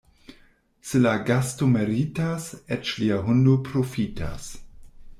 Se la gasto meritas, eĉ lia hundo profitas.